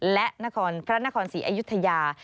และพระนครศรีอัยุธยา